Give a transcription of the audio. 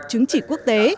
chứng chỉ quốc tế